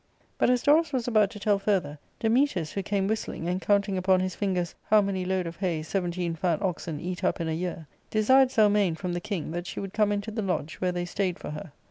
'* But as Dorus was about to tell further, Dametas, who came whistling, and counting upon his fingers how many load of hay seventeen fat oxen eat up in a year, desired ' Zelmane, from the king, that she would come into the lodge, ' where they stayed for her.